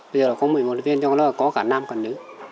bây giờ là có một mươi một hội viên trong đó là có cả nam cả nữ